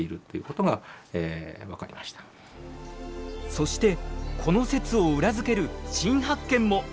そしてこの説を裏付ける新発見も！